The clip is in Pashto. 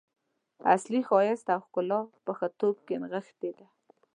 اصلي ښایست او ښکلا په ښه توب کې نغښتې ده.